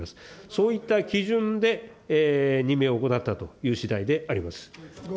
そういった基準で任命を行ったという次第であります。